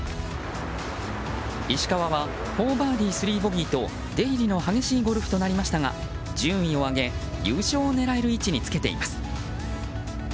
石川は４バーディー、３ボギーと出入りの激しいゴルフとなりましたが順位を上げ、優勝を狙える位置につけています。